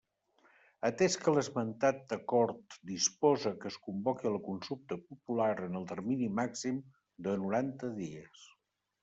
Atès que l'esmentat acord disposa que es convoqui la consulta popular en el termini màxim de noranta dies.